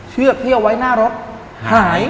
เชือกที่เอาไว้หน้ารถหาย